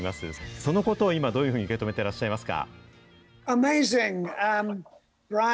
そのことを今、どういうふうに受け止めていらっしゃいますか。